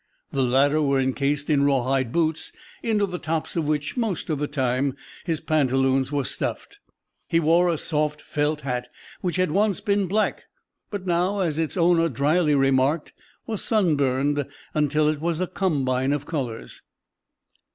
The latter were encased in rawhide boots, into the tops of which, most of the time, his pantaloons were stuffed. He wore a soft felt hat which had once been black, but now, as its owner dryly remarked, 'was sunburned until it was a combine of colors.'"